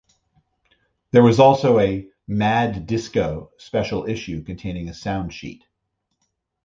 There was also a "Mad Disco" special issue containing a Soundsheet.